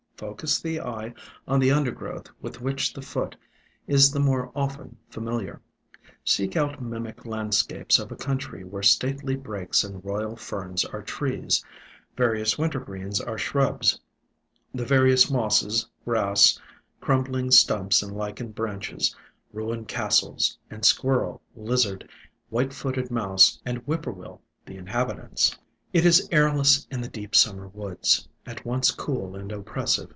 Focus the eye on the un dergrowth with which the foot is the more often 108 IN SILENT WOODS familiar. Seek out mimic landscapes of a country where stately Brakes and Royal Ferns are trees, various Wintergreens are shrubs, the various mosses, grass, crumbling stumps and lichened branches, ruined castles, and squirrel, lizard, white footed mouse and whippoorwill the inhabitants, It is airless in the deep Summer woods, at once cool and oppressive.